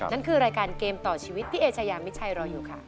นั่นคือรายการเกมต่อชีวิตพี่เอชายามิชัยรออยู่ค่ะ